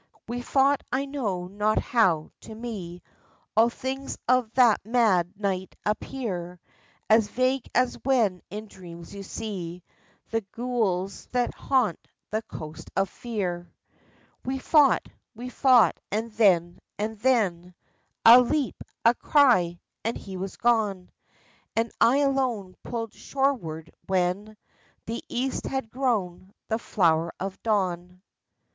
We fought I know not how — to me All things of that mad night appear As vague as when in dreams you see The ghouls that haunt the coast of Fear. 24 THE FISHERMAN'S STORY. We fought — we fought and then — and then — A leap — a cry — and he was gone ! And I alone pulled shoreward when The East had grown the flower of dawn.